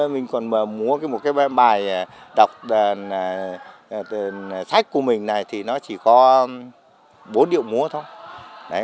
mình còn múa một cái bài đọc sách của mình này thì nó chỉ có bốn điệu múa thôi